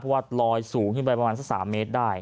เพราะว่าลอยสูงขึ้นไปประมาณสัก๓เมตรได้